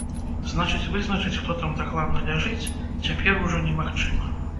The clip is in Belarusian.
Значыць, вызначыць, хто там дакладна ляжыць, цяпер ужо немагчыма.